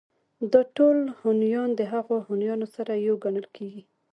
دا ټول هونيان د هغو هونيانو سره يو گڼل کېږي